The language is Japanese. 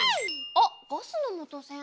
あっガスのもとせん。